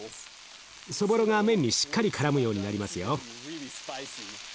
そぼろが麺にしっかりからむようになりますよ。